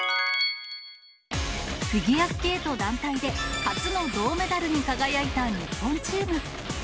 フィギュアスケート団体で初の銅メダルに輝いた日本チーム。